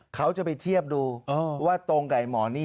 เขาจะไปเทียบดูว่าตรงกับหมอนี่